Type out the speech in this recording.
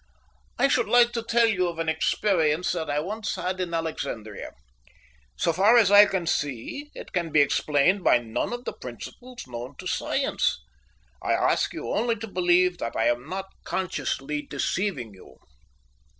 "I should like to tell you of an experience that I once had in Alexandria. So far as I can see, it can be explained by none of the principles known to science. I ask you only to believe that I am not consciously deceiving you."